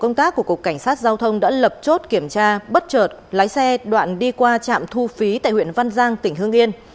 công tác của cục cảnh sát giao thông đã lập chốt kiểm tra bất chợt lái xe đoạn đi qua trạm thu phí tại huyện văn giang tỉnh hương yên